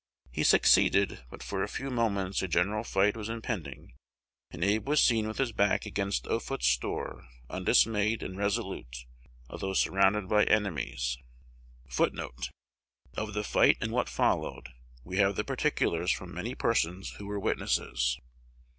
He succeeded; but for a few moments a general fight was impending, and Abe was seen with his back against Offutt's store "undismayed" and "resolute," although surrounded by enemies.1 1 Of the fight and what followed, we have the particulars from many persons who were witnesses.